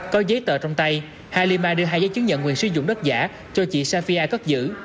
có giấy tờ trong tay halima đưa hai giấy chứng nhận nguyện sử dụng đất giả cho chị safia cất giữ